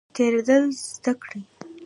تیریدل زده کړئ